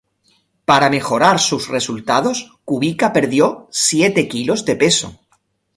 Para mejorar sus resultados, Kubica perdió siete kilos de peso.